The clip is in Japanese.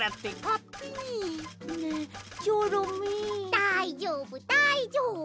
だいじょうぶだいじょうぶ！